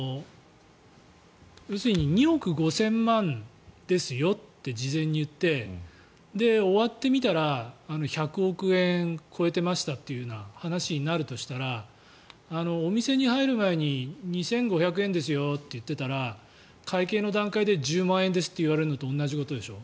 要するに２億５０００万円ですよって事前に言って、終わってみたら１００億円を超えてましたっていう話になるとしたらお店に入る前に２５００円ですよと言っていたら会計の段階で１０万円ですと言われるのと同じでしょ。